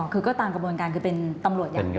คือก็ตามกระบวนการคือเป็นตำรวจอย่างเดียว